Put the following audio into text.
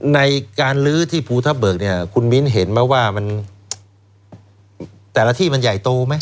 ในการลื้อที่ภูทับเบิกเนี่ยคุณมิ้นเห็นไหมว่ามันแต่ละที่มันใหญ่โตไหม